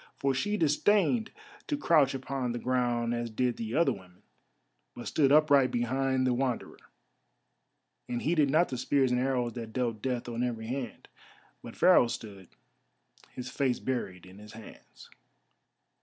For she disdained to crouch upon the ground as did the other women, but stood upright behind the Wanderer, and heeded not the spears and arrows that dealt death on every hand. But Pharaoh stood, his face buried in his hands.